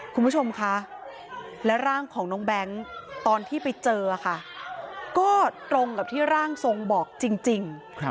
คุณผู้ชมคะและร่างของน้องแบงค์ตอนที่ไปเจอค่ะก็ตรงกับที่ร่างทรงบอกจริง